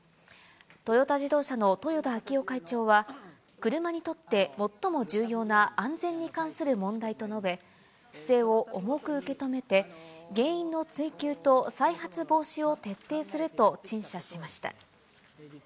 トヨタ自動車の豊田章男会長は、車にとって最も重要な安全に関する問題と述べ、不正を重く受け止めて、原因の追及と再発防止を徹底すると陳謝しました。